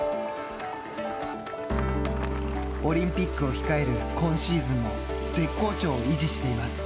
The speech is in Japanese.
オリンピックを控える今シーズンも絶好調を維持しています。